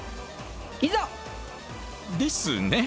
いざ！ですね。